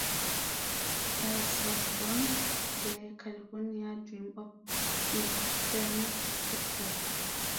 Thus was born the California Dream of instant success.